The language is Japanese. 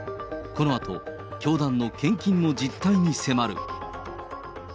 このあと、教団の献金の実態に迫る。